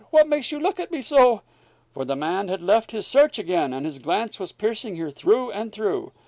What makes you look at me so?" For the man had left his search again, and his glance was piercing her through and through.